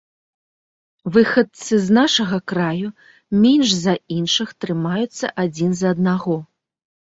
Выхадцы з нашага краю менш за іншых трымаюцца адзін за аднаго.